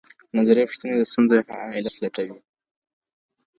نظري پوښتنې د ستونزو علت لټوي.